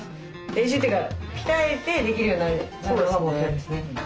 練習というか鍛えてできるようになるのが目標ですね。